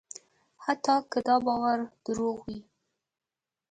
حتی که دا باور دروغ وي.